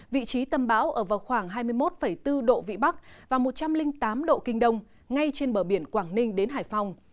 vị trí tâm bão ở vào khoảng hai mươi một bốn độ vĩ bắc và một trăm linh tám độ kinh đông ngay trên bờ biển quảng ninh đến hải phòng